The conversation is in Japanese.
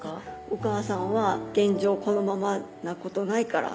お母さんは「現状このままなことないから」